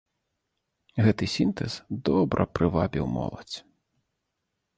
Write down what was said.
Гэты сінтэз добра прывабіў моладзь.